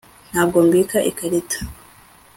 ntabwo mbika ikarita